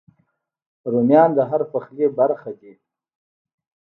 رومیان د هر پخلي برخه دي